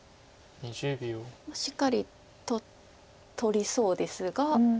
しっかり取りそうですが。